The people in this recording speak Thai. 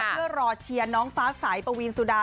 เพื่อรอเชียร์น้องฟ้าสายปวีนสุดา